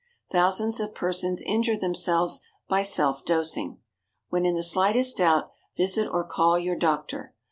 Thousands of persons injure themselves by self dosing. When in the slightest doubt, visit or call your doctor.